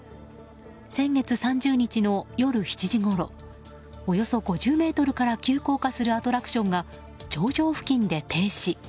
先月３０日の夜７時ごろおよそ５０ｍから急降下するアトラクションが頂上付近で停止。